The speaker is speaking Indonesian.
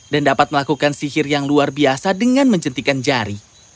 dan dapat melakukan sihir yang luar biasa dengan mencintikan jari